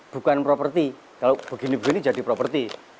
bukan properti kalau begini begini jadi properti